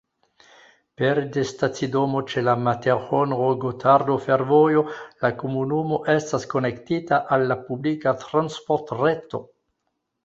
Pere de stacidomo ĉe la Materhonro-Gothardo-Fervojo la komunumo estas konektita al la publika transportreto.